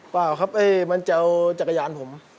เปล่าครับมันจะเอาจักรยานผม